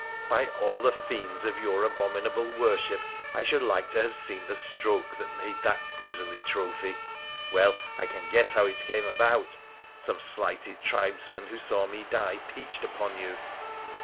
By all the fiends of your abominable worship, I should like to have seen the stroke that made that grizzly trophy ! Well, I can guess how it came about ! Some slighted tribesman who saw me die peached upon you.